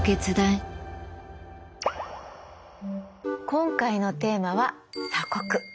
今回のテーマは「鎖国」。